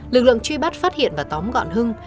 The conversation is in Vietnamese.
lực lượng truy bắt phát hiện và tóm gọn hưng